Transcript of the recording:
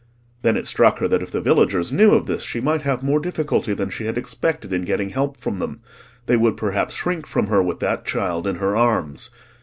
Then it struck her that if the villagers knew of this, she might have more difficulty than she had expected in getting help from them; they would perhaps shrink from her with that child in her arms.